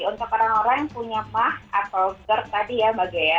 untuk orang orang yang punya mah atau gerd tadi ya mbak ghea ya